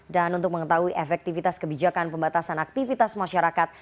dan untuk mengetahui efektivitas kebijakan pembatasan aktivitas masyarakat